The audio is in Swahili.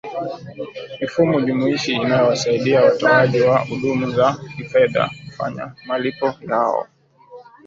mifumo jumuishi inawasaidia watoaji wa huduma za kifedha kufanya malipo yao